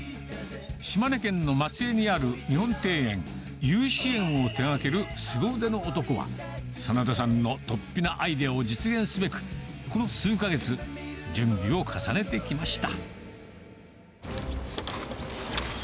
島根県の松江にある日本庭園、由志園を手がけるすご腕の男は、眞田さんの突飛なアイデアを実現すべく、この数か月、準備を重ねてきました。